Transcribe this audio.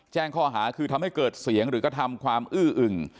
แจ้งข้อหาคือทำให้เกิดเสียงหรือกระทำความอื้ออึ่ง